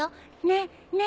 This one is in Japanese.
ねっ？